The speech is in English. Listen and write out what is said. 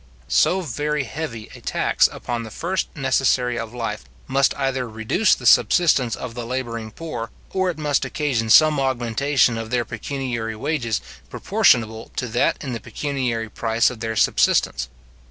So very heavy a tax upon the first necessary of life must either reduce the subsistence of the labouring poor, or it must occasion some augmentation in their pecuniary wages, proportionable to that in the pecuniary price of their subsistence.